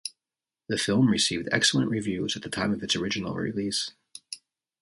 The film received excellent reviews at the time of its original release.